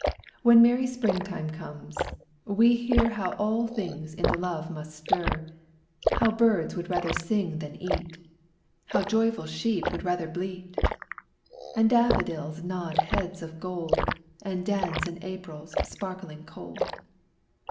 When merry springtime comes, we hear How all things into love must stir; How birds would rather sing than eat, How joyful sheep would rather bleat: And daffodils nod heads of gold, And dance in April's sparkling cold.